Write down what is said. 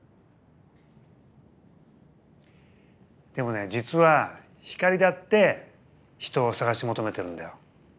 でもね実は光だって人を探し求めてるんだよ。